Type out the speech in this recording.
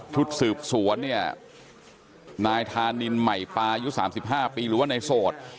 ทุดสืบสวรรค์นายทานิลไหมปายื้อ๓๕ปีหรือว่านายโสด